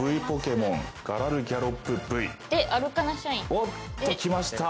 おっときました。